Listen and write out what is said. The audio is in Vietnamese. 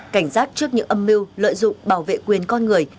cảnh giác trước những âm mưu lợi dụng bảo vệ quyền con người